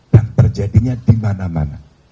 dan terjadinya di mana mana